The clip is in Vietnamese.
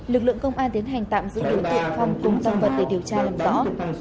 lực lượng công an tiến hành tạm giữ đối tượng phong cùng tăng vật để điều tra làm rõ